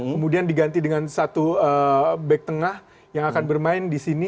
kemudian diganti dengan satu back tengah yang akan bermain di sini